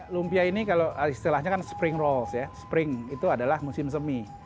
lumpia ini kalau istilahnya kan spring rolls ya spring itu adalah musim semi